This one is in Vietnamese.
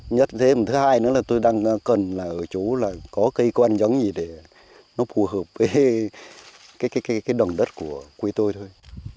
nhất thế một thứ hai nữa là tôi đang cần là ở chỗ là có cây có ăn giống gì để nó phù hợp với cái đồng đất của quý tôi thôi